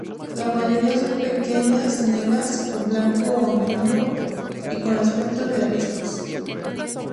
La mayoría son pequeñas, negras, con blanco o amarillo y con aspecto de avispas.